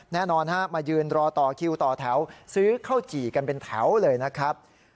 แน่นอนฮะมายืนรอต่อคิวต่อแถวซื้อข้าวจี่กันเป็นแถวเลยนะครับ